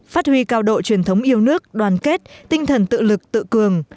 phát huy cao độ truyền thống yêu nước đoàn kết tinh thần tự lực tự cường